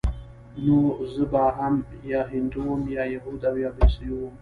نو زه به هم يا هندو وم يا يهود او يا به عيسوى وم.